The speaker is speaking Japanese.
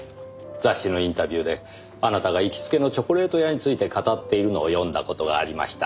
雑誌のインタビューであなたが行きつけのチョコレート屋について語っているのを読んだ事がありました。